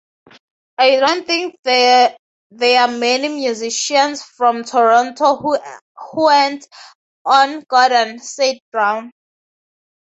"I don't think there're many musicians from Toronto who aren't on "Gordon"," said Brown.